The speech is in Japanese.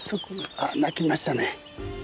あっ鳴きましたね。